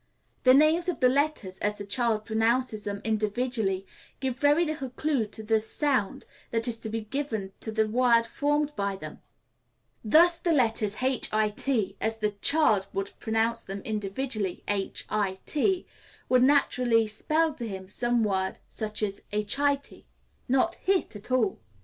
The names of the letters, as the child pronounces them individually, give very little clue to the sound that is to be given to the word formed by them. Thus, the letters h i t, as the child pronounces them individually aitch, eye, tee would naturally spell to him some such word as achite, not hit at all.